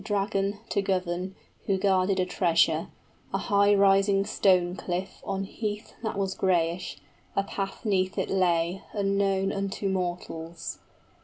} 65 Dragon, to govern, who guarded a treasure, A high rising stone cliff, on heath that was grayish: A path 'neath it lay, unknown unto mortals.